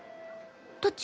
どっち？